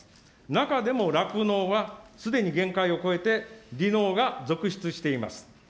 中でも、酪農はすでに限界を超えて、離農が続出しています。